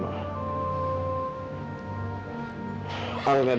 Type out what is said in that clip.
ma jangan terlalu dipikirin ma